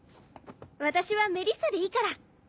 私は「メリッサ」でいいから。